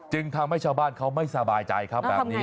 ทำให้ชาวบ้านเขาไม่สบายใจครับแบบนี้